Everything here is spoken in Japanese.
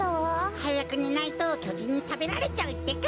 はやくねないときょじんにたべられちゃうってか？